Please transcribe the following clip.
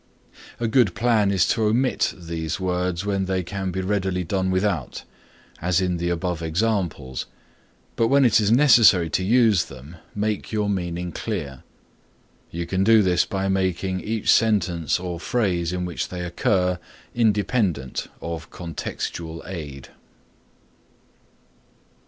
A good plan is to omit these words when they can be readily done without, as in the above examples, but when it is necessary to use them make your meaning clear. You can do this by making each sentence or phrase in which they occur independent of contextual aid.